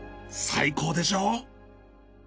最高でしょう？